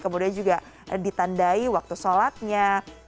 kemudian juga ditandai waktu sholatnya